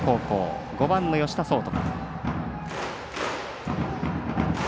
５番の吉田創登。